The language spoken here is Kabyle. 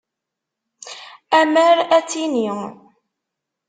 Amer ad tini.